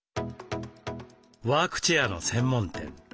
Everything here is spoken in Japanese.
ワークチェアの専門店。